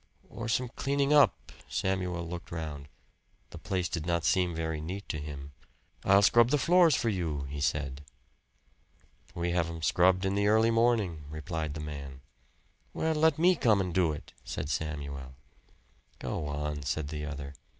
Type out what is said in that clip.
"Or some cleaning up?" Samuel looked round. The place did not seem very neat to him. "I'll scrub the floors for you," he said. "We have 'em scrubbed in the early morning," replied the man. "Well, let me come and do it," said Samuel. "Go on!" said the other.